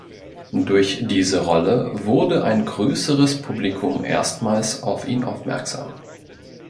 Durch diese Rolle wurde ein größeres Publikum erstmals auf ihn aufmerksam.